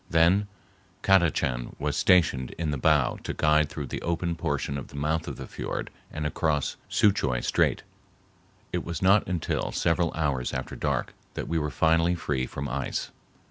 Then Kadachan was stationed in the bow to guide through the open portion of the mouth of the fiord and across Soutchoi Strait. It was not until several hours after dark that we were finally free from ice.